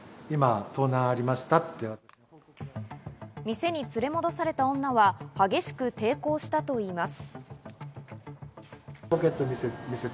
店に連れ戻された女は激しく抵抗したといいます。